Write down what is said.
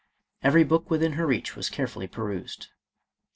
Every book within her reach was carefully perused.